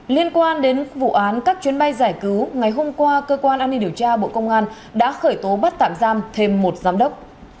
liên quan đến vụ án các chuyến bay giải cứu ngày hôm qua cơ quan an ninh điều tra bộ công an đã khởi tố bắt tạm giam thêm một giám đốc